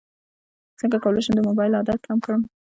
څنګه کولی شم د موبایل عادت کم کړم